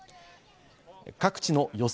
各地の予想